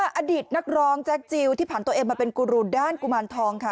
อดีตนักร้องแจ็คจิลที่ผ่านตัวเองมาเป็นกุรูด้านกุมารทองค่ะ